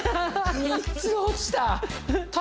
３つ落ちた！